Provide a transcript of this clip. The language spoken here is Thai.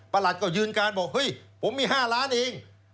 ปรัชก็ยืนการบอกผมมี๕ล้านเอง